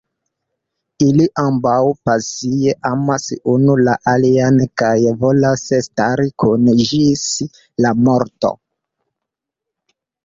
Ili ambaŭ pasie amas unu la alian kaj volas stari kune ĝis la morto.